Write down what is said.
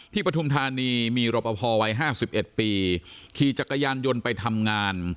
ที่ปฐุมธานีมีรบอภอวัยห้าสิบเอ็ดปีขี่จักรยานยนต์ไปทำงาน